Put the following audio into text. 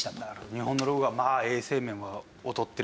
日本の牢獄はまあ衛生面は劣ってる。